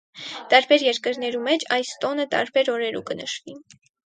Տարբեր երկիրներու մէջ այս տօնը տարբեր օրերու կը նշուի։